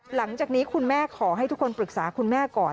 หลังจากนี้คุณแม่ขอให้ทุกคนปรึกษาคุณแม่ก่อน